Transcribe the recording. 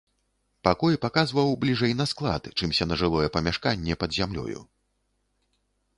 Пакой паказваў бліжэй на склад, чымся на жылое памяшканне пад зямлёю.